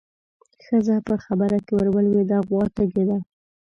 ښځه په خبره کې ورولوېده: غوا تږې ده.